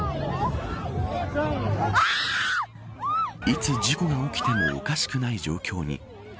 いつ事故が起きてもおかしくない状況に。